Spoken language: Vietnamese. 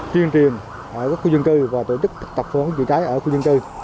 truyền truyền ở các khu dân cư và tổ chức tập phương chữa cháy ở khu dân cư